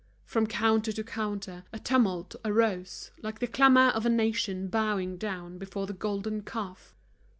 From counter to counter a tumult arose, like the clamor of a nation bowing down before the golden calf.